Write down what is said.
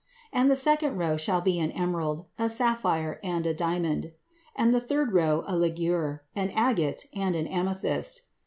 And the second row shall be an emerald, a sapphire, and a diamond. And the third row a ligure, an agate, and an amethyst.